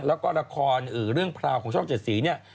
แล้วก็ละครเรื่องพราวของช่องเจ็ดสีเนี่ย